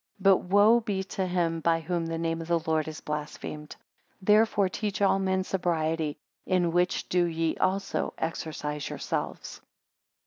But woe be to him by whom the name of the Lord is blasphemed. 13 Therefore teach all men sobriety; in which do ye also exercise yourselves.